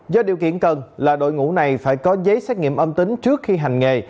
do điều kiện cần là đội ngũ này phải có giấy xét nghiệm âm tính trước khi hành nghề